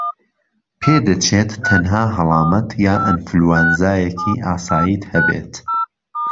پێدەچێت تەنها هەڵامەت یان ئەنفلەوەنزایەکی ئاساییت هەبێت